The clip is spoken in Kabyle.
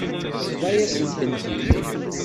Tebḍa-yas-tent-id.